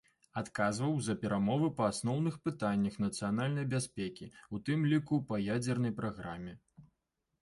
Адказваў за перамовы па асноўных пытаннях нацыянальнай бяспекі, у тым ліку па ядзернай праграме.